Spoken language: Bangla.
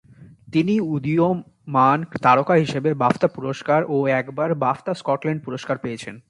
তিনি উদীয়মান তারকা হিসেবে বাফটা পুরস্কার ও একবার বাফটা স্কটল্যান্ড পুরস্কার পেয়েছেন।